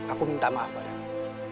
aku minta maaf padamu